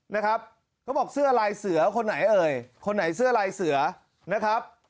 นะครับเขาบอกเสื้อลายเสือคนไหนเอ่ยคนไหนเสื้อลายเสือนะครับ